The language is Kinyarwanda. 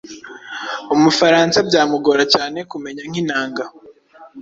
Umufaransa byamugora cyane kumenya nk’inanga,